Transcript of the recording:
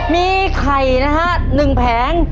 มีไข่นะฮะ๑แผง